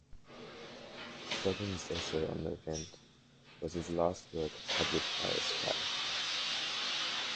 Southern's essay on the event, was his last work published by "Esquire".